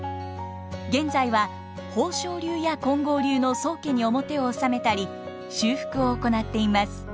現在は宝生流や金剛流の宗家に面を納めたり修復を行っています。